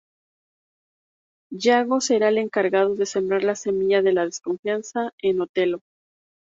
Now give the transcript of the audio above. Yago será el encargado de sembrar la semilla de la desconfianza en Otelo.